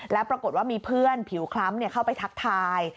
แล้วปรากฏว่ามีเพื่อนผิวคล้ำเข้าไปทักทาย